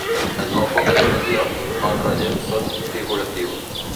En molt poques ocasions, els relleus són figuratius.